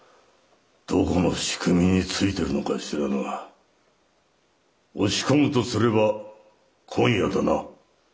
どこの組織についてるのか知らぬが押し込むとすれば今夜だな。